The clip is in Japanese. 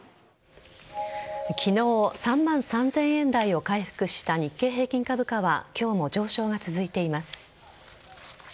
昨日３万３０００円台を回復した日経平均株価は今日も上昇が続いています。